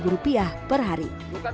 lima puluh lima rupiah per hari